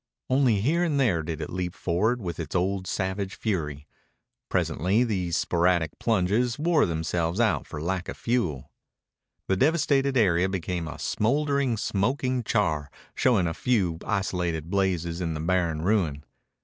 Only here and there did it leap forward with its old savage fury. Presently these sporadic plunges wore themselves out for lack of fuel. The devastated area became a smouldering, smoking char showing a few isolated blazes in the barren ruin.